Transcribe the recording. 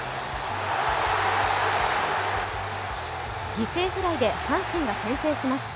犠牲フライで阪神が先制します